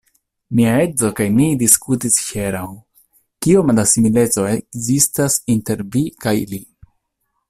Mia edzo kaj mi diskutis hieraŭ, kiom da simileco ekzistas inter vi kaj li.